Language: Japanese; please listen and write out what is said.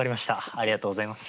ありがとうございます。